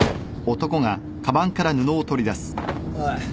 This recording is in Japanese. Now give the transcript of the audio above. おい。